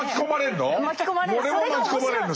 俺も巻き込まれるの？